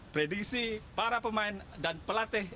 prediksi para pemain dan pelatih